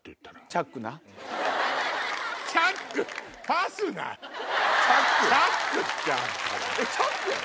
チャックや。